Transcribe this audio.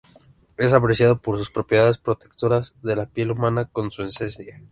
Es apreciado por sus propiedades protectoras de la piel humana con su esencia.